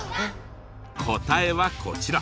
答えはこちら。